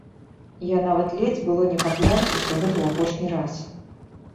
Я нават ледзь было не пакляўся, што гэта ў апошні раз.